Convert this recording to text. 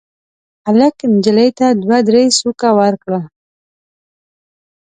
هلک نجلۍ ته دوه درې سوکه ورکړل.